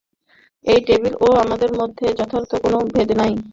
এই টেবিল ও আমার মধ্যে যথার্থ কোন ভেদ নাই।